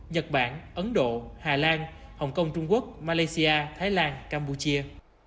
nhật bản ấn độ hà lan hồng kông trung quốc malaysia thái lan campuchia